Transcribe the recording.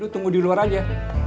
tunggu di luar aja